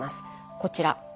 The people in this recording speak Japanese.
こちら。